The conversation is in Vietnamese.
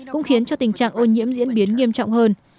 cũng khiến cho tình trạng ô nhiễm diễn biến nghiêm trọng hơn